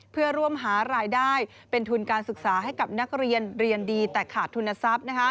เพื่อร่วมหารายได้เป็นทุนการศึกษาให้กับนักเรียนเรียนดีแต่ขาดทุนทรัพย์